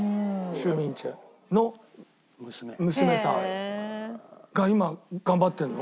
許銘傑の娘さんが今頑張ってるの？